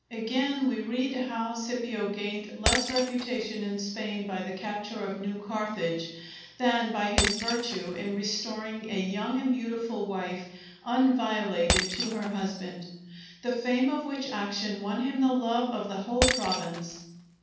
Again, we read how Scipio gained less reputation in Spain by the capture of New Carthage, than by his virtue in restoring a young and beautiful wife unviolated to her husband; the fame of which action won him the love of the whole province.